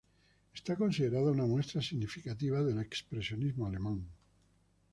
Es considerada una muestra significativa del expresionismo alemán.